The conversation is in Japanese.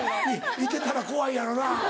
・いてたら怖いやろな。